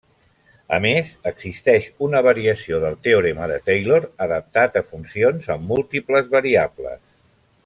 A més existeix una variació del teorema de Taylor adaptat a funcions amb múltiples variables.